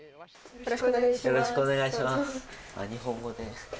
よろしくお願いします。